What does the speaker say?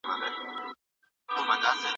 خلوت څنګه په معصيت کي د واقع کېدو سبب ګرځي؟